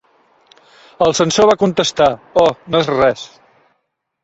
El censor va contestar: Oh, no és res.